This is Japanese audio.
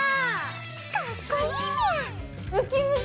かっこいいみゃ。